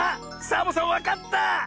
サボさんわかった！